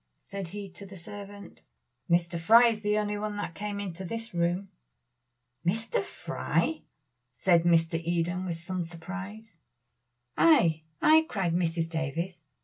said he to the servant. "Mr. Fry is the only one that came into this room." "Mr. Fry!" said Mr. Eden, with some surprise. "Ay! ay!" cried Mrs. Davies.